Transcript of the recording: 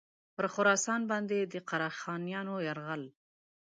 پر خراسان باندي د قره خانیانو یرغل.